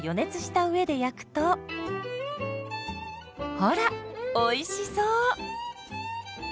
ほらおいしそう！